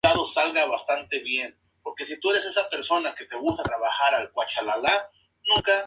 Un decorado que merece una mención especial por su realismo y grandeza.